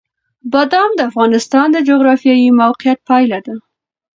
بادام د افغانستان د جغرافیایي موقیعت پایله ده.